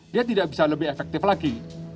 dia tidak bisa lebih efektif lagi